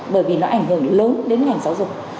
bởi vì nó ảnh hưởng lớn đến ngành giáo dục